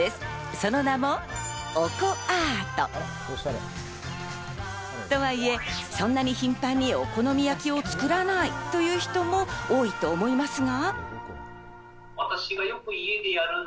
その名もオコアート。とはいえ、そんなに頻繁にお好み焼きを作らないという人も多いと思いますが。